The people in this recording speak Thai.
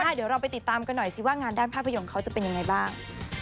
เดี๋ยวเราไปติดตามกันหน่อยสิว่างานด้านภาพยนตร์เขาจะเป็นยังไงบ้าง